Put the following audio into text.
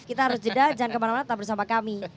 kita harus jeda jangan kemana mana tetap bersama kami